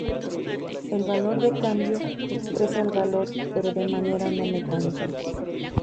El valor de cambio expresa el valor pero de manera no mecánica.